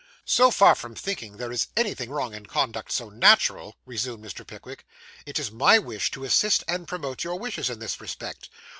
'So far from thinking there is anything wrong in conduct so natural,' resumed Mr. Pickwick, 'it is my wish to assist and promote your wishes in this respect.